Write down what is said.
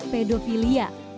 untuk praktik pedofilia